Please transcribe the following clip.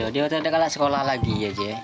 dia sudah kalah sekolah lagi saja